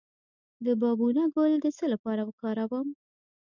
د بابونه ګل د څه لپاره وکاروم؟